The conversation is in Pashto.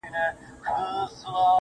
سیاه پوسي ده خاوند یې ورک دی.